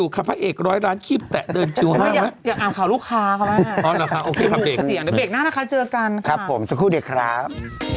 ครับผมสักครู่เด็กครับ